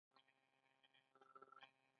آیا کاناډا د اور وژنې اداره نلري؟